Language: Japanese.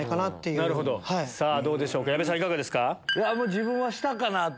自分は下かなと。